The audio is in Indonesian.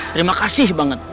terima kasih banget